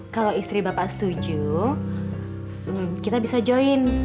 kalau istri bapak setuju kita bisa join